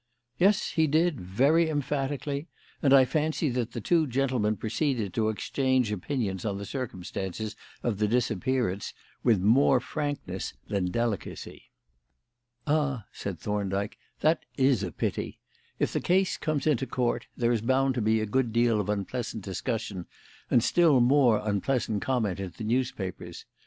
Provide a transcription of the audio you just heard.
"Yes, he did, very emphatically; and I fancy that the two gentlemen proceeded to exchange opinions on the circumstances of the disappearance with more frankness than delicacy." "Ah," said Thorndyke, "that is a pity. If the case comes into Court, there is bound to be a good deal of unpleasant discussion and still more unpleasant comment in the newspapers.